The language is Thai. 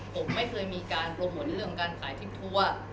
ผมไม่เคยมีการโปรโมทเรื่องการขายทริปทัวร์